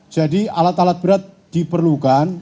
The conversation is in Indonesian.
jadi alat alat berat diperlukan